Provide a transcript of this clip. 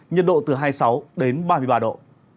nhiệt độ từ hai mươi sáu đến ba mươi ba độ